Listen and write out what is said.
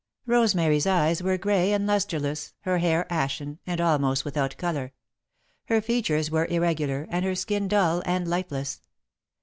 Rosemary's eyes were grey and lustreless, her hair ashen, and almost without colour. Her features were irregular and her skin dull and lifeless.